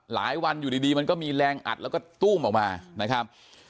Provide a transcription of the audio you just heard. วันอยู่ดีมันก็มีแรงอัดแล้วก็ตู้มออกมานะครับ